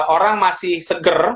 orang masih seger